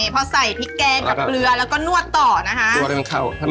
พอใส่พริกแกงกับเกลือแล้วก็นวดต่อนะคะ